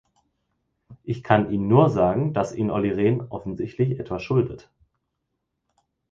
Ich kann Ihnen nur sagen, dass Ihnen Olli Rehn offensichtlich etwas schuldet!